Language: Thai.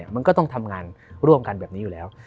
มันก็ต้องทำงานร่วมกันแบบนี้อยู่แล้ว